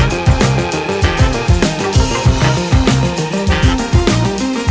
yang penting kamu sehat dulu